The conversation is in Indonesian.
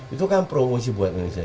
itu kan promosi buat indonesia